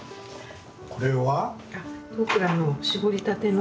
これは。